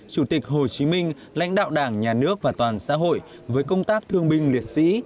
chủ tịch hồ chí minh lãnh đạo đảng nhà nước và toàn xã hội với công tác thương binh liệt sĩ